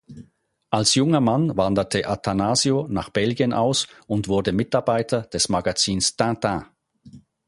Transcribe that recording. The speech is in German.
Als junger Mann wanderte Attanasio nach Belgien aus und wurde Mitarbeiter des Magazins Tintin.